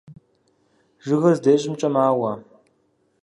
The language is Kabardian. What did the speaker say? Жыгыр здещӀэмкӀэ мауэ.